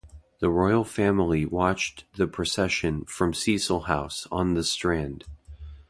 The royal family watched the procession from Cecil House on the Strand.